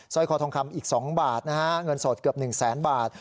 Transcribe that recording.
ร้อยคอทองคำอีก๒บาทนะฮะเงินสดเกือบ๑แสนบาท